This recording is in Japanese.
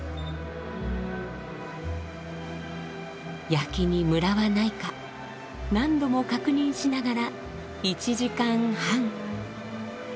焼きにムラはないか何度も確認しながら１時間半。